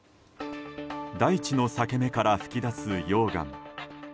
大地の裂け目から噴き出す溶岩。